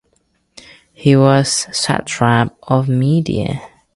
He was satrap of Media.